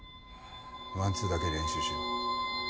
ワンツーだけ練習しろ。